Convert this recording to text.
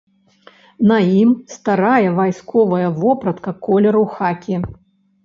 На ім старая вайсковая вопратка колеру хакі.